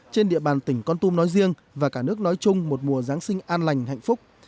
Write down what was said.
trên địa bàn tỉnh con tum nói riêng và cả nước nói chung một mùa giáng sinh an lành hạnh phúc